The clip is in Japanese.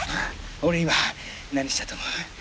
俺今何したと思う？